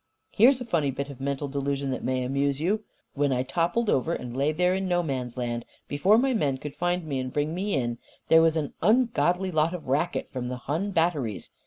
"Here is a funny bit of mental delusion that may amuse you: When I toppled over and lay there in No Man's Land, before my men could find me and bring me in, there was an ungodly lot of racket from the Hun batteries.